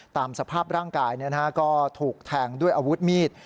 ตามสภาพร่างกายก็ถูกแทงด้วยอาวุธมีด